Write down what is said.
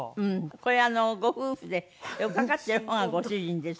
これご夫婦で寄っかかってる方がご主人です。